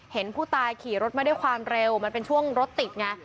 เห็นผู้ตายขี่รถมาด้วยความเร็วมันเป็นช่วงรถติดไง